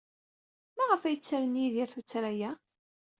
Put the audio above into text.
Maɣef ay ttren Yidir tuttra-a?